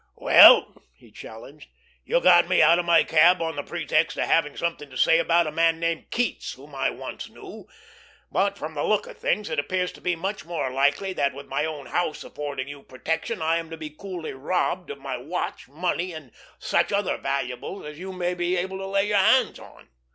"Well?" he challenged. "You got me out of my club on the pretext of having something to say about a man named Keats whom I once knew; but from the look of things it appears to be much more likely that, with my own house affording you protection, I am to be coolly robbed of my watch, money, and such other valuables as you may be able to lay your hands on!"